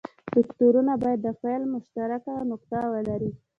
وکتورونه باید د پیل مشترکه نقطه ولري.